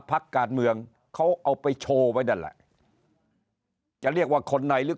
พักการเมืองเขาเอาไปโชว์ไว้นั่นแหละจะเรียกว่าคนในหรือ